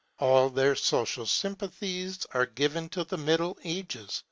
All their social sympathies are given to the Middle Ages.